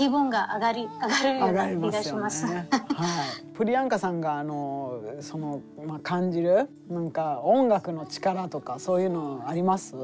プリヤンカさんが感じる音楽の力とかそういうのあります？